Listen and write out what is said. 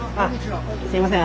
すみません